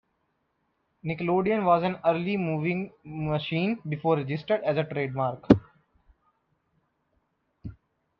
"Nickelodeon" was an early movie machine before registered as a trademark.